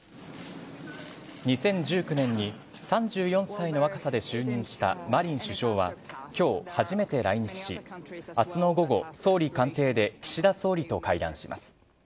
２０１９年に３４歳の若さで就任したマリン首相は、きょう、初めて来日し、あすの午後、総理官邸で岸田総理と会談します。